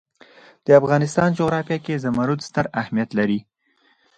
د افغانستان جغرافیه کې زمرد ستر اهمیت لري.